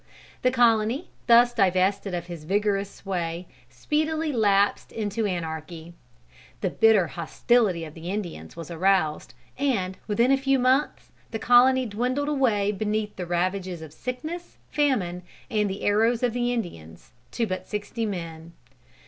The colony, thus divested of his vigorous sway, speedily lapsed into anarchy. The bitter hostility of the Indians was aroused, and, within a few months, the colony dwindled away beneath the ravages of sickness, famine, and the arrows of the Indians, to but sixty men.